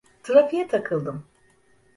Trafiğe takıldım.